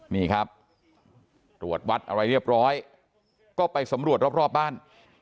นี่ครับตรวจวัดอะไรเรียบร้อยก็ไปสำรวจรอบบ้าน